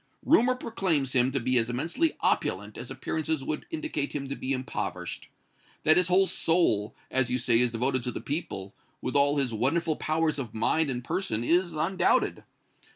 Rumor proclaims him to be as immensely opulent as appearances would indicate him to be impoverished. That his whole soul, as you say, is devoted to the people, with all his wonderful powers of mind and person, is undoubted.